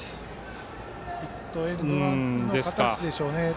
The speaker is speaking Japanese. ヒットエンドランの形でしょうね。